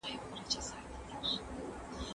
ده وویل چي پښتو د پښتنو د یووالي تر ټولو قوي وسیله ده.